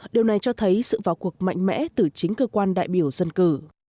điều này cho thấy sự vào cuộc mạnh mẽ từ chính cơ quan đại biểu dân cử